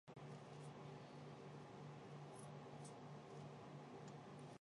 担任中信集团武汉市建筑设计院院长。